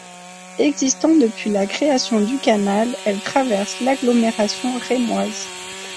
Existant depuis la création du canal, elle traverse l'agglomération rémoise.